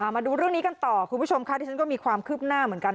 มาดูเรื่องนี้กันต่อคุณผู้ชมค่ะที่ฉันก็มีความคืบหน้าเหมือนกัน